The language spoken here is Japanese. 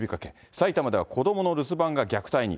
埼玉では子どもの留守番が虐待に。